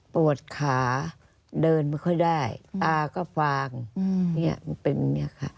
ปวดขาเดินไม่ค่อยได้ตาก็ฟางเป็นแบบนี้ค่ะ